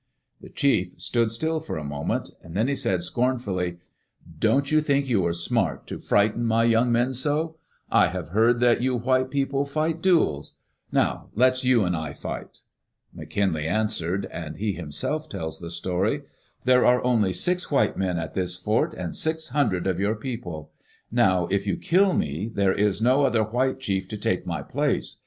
The chief stood still for a moment Then he said, scornfully : "Don't you think you are smart to frighten my young men sol I have heard that you white people fight duels. Now let's you and I fight." McKinlay answered — and he himself tells the story — "There are only six white men at this fort and six hun dred of your people. Now if you kill me, there is no other white chief to take hfiy place.